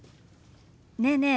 ねえねえ